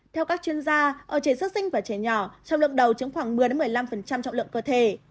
theo các chuyên gia ở trẻ sức sinh và trẻ nhỏ trọng lượng đầu chứng khoảng một mươi một mươi năm trọng lượng cơ thể